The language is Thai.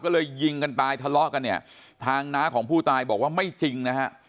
ก็เลยยิงกันตายทะเลาะกันเนี่ยทางน้าของผู้ตายบอกว่าไม่จริงนะฮะ